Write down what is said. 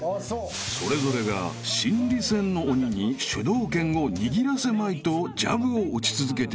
［それぞれが心理戦の鬼に主導権を握らせまいとジャブを打ち続けていく］